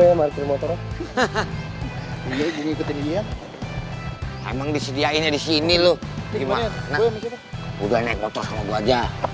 ayo yuk cabut cabut cabut